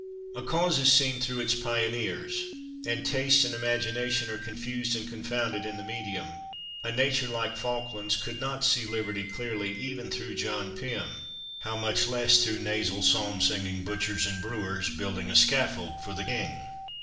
A cause is seen through its pioneers, and taste and imagination are confused and confounded in the medium. A nature like Falkland's could not see liberty clearly even through John Pym how much less through nasal psalm singing butchers and brewers building a scaffold for the king.